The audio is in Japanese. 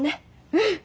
うん！